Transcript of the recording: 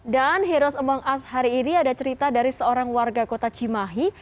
heroes among us hari ini ada cerita dari seorang warga kota cimahi